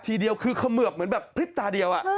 ทีเดียวคือคมืพเหมื้อแบบพริ๊บต่าเดียว